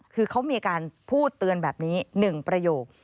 คือเขามีการพูดเตือนแบบนี้๑ประโยค